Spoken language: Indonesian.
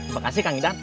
makasih kang idan